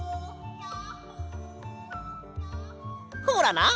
ほらな！